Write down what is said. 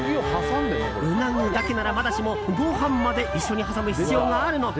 うなぎだけならまだしもご飯まで一緒に挟む必要があるのか？